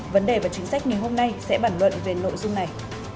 vấn đề và chính sách ngày hôm nay sẽ bản luận về nội dung này